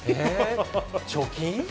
貯金？